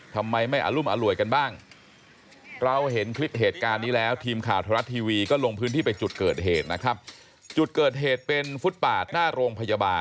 ทำไมไม่อรุ่นอร่วยกันบ้าง